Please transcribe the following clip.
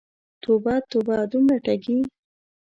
توبه، توبه، دومره ټګې!